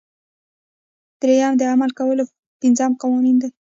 دریم د عمل کولو پنځه قوانین دي.